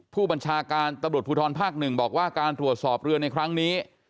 ผู้บัญชาการตำรวจภูทรภาค๑บอกว่าการตรวจสอบเรือในครั้งนี้